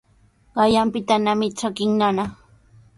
Qanyaanpitanami trakin nana.